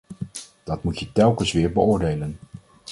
Dat moet je telkens weer beoordelen.